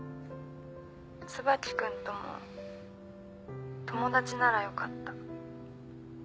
椿君とも友達ならよかった。